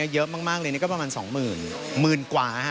เยอะมากเลยนี่ก็ประมาณ๒๐๐๐กว่า